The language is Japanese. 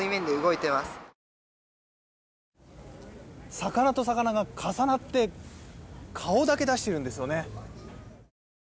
魚と魚が重なって顔だけ出しているんですよね。